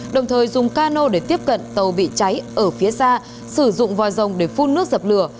đồng thời dùng cano để tiếp cận tàu bị cháy ở phía xa sử dụng vòi rồng để phun nước dập lửa